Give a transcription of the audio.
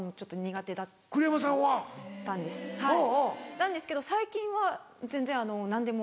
なんですけど最近は全然何でも。